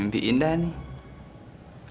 mimpi indah nih